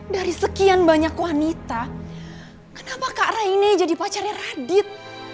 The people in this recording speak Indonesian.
dari sekian banyak wanita kenapa kak raine jadi pacarnya radit